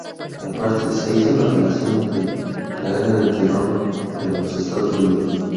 Aparte, se hizo la reedición de "La era del terror" en los Estados Unidos.